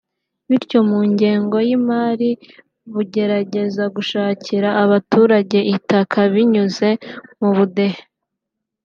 bityo mu ngengo y’imari bugerageza gushakira abaturage itaka binyuze mu budehe